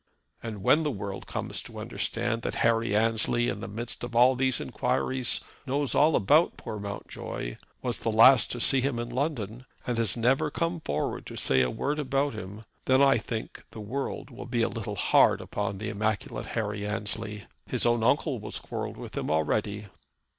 "And when the world comes to understand that Harry Annesley, in the midst of all these inquiries, knows all about poor Mountjoy, was the last to see him in London, and has never come forward to say a word about him, then I think the world will be a little hard upon the immaculate Harry Annesley. His own uncle has quarrelled with him already."